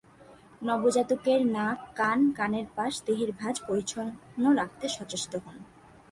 নবজাতকের নাক, কান, কানের পাশ, দেহের ভাঁজ পরিচ্ছন্ন রাখতে সচেষ্ট হোন।